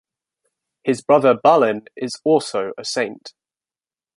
His brother Balin is also a saint.